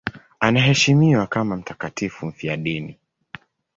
Anaheshimiwa kama mtakatifu mfiadini.